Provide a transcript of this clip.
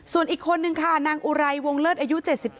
ส่วนอีกคนนึงค่ะนางอุไรวงเลิศอายุ๗๘